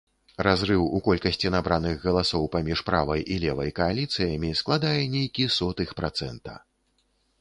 Разрыў у колькасці набраных галасоў паміж правай і левай кааліцыямі складае нейкі сотых працэнта.